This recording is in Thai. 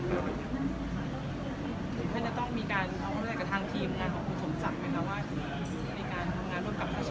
ก็ต้องมีการเรียกมาคุยด้วย